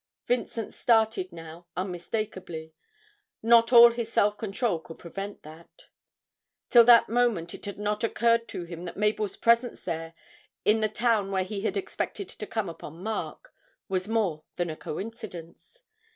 Vincent started now unmistakably; not all his self control could prevent that. Till that moment it had not occurred to him that Mabel's presence there, in the town where he had expected to come upon Mark, was more than a coincidence.